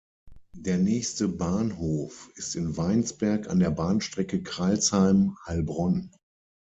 Der nächste Bahnhof ist in Weinsberg an der Bahnstrecke Crailsheim–Heilbronn.